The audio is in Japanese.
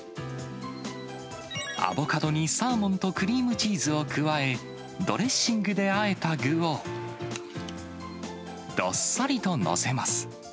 アボカドにサーモンとクリームチーズを加え、ドレッシングであえた具をどっさりと載せます。